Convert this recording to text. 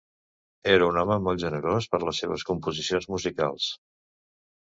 Era un home molt generós per les seves composicions musicals.